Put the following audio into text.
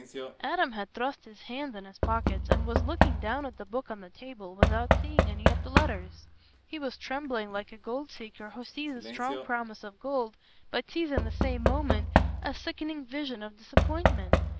Adam had thrust his hands in his pockets, and was looking down at the book on the table, without seeing any of the letters. He was trembling like a gold seeker who sees the strong promise of gold but sees in the same moment a sickening vision of disappointment.